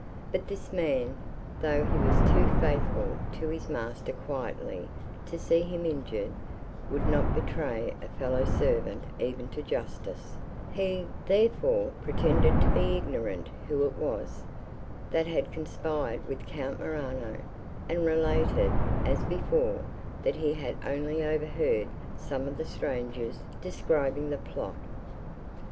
But this man, though he was too faithful to his master quietly to see him injured, would not betray a fellow servant even to justice; he, therefore, pretended to be ignorant who it was, that had conspired with Count Morano, and related, as before, that he had only overheard some of the strangers describing the plot.